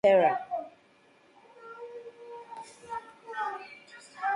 Nathan's first action in the conflict was at the Battle of Lopera.